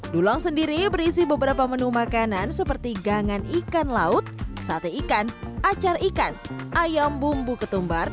dulang sendiri berisi beberapa menu makanan seperti gangan ikan laut sate ikan acar ikan ayam bumbu ketumbar